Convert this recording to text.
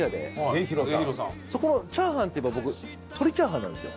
そこのチャーハンっていえば僕トリチャーハンなんですよ。